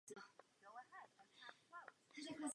Nechť promluví hlas lidového hněvu.